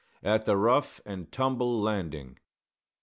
At the Rough and Tumble Landing.